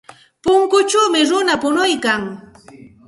Punkuchawmi runa punuykan.